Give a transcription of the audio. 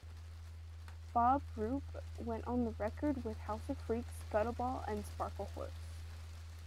Bob Rupe went on to record with House of Freaks, Gutterball and Sparklehorse.